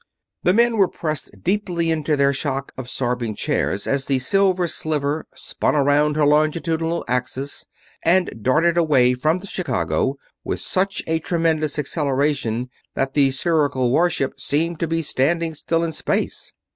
The men were pressed deeply into their shock absorbing chairs as the Silver Sliver spun around her longitudinal axis and darted away from the Chicago with such a tremendous acceleration that the spherical warship seemed to be standing still in space.